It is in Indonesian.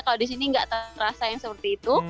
kalau di sini nggak terasa yang seperti itu